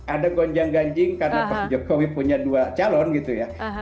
ada gonjang ganjing karena pak jokowi punya dua calon gitu ya